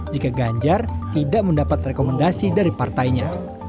jika ganjar tidak mendapat rekomendasi dari partainya